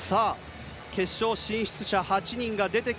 決勝進出者８人です。